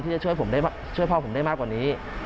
ที่จะช่วยพ่อผมได้มากกว่านี้